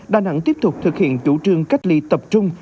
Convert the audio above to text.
đà nẵng tiếp tục thực hiện chủ trương cách ly tập trung